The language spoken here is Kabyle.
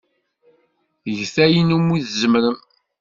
Get ayen umi tzemrem.